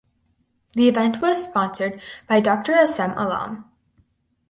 The event was sponsored by Dr Assem Allam.